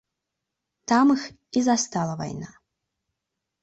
Там іх і застала вайна.